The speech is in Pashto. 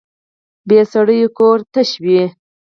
بې سړي کور تش وي